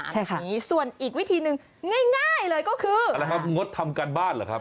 ตอนนี้ทุกคนเดินเปิดไฟทั่วบ้านแล้วค่ะ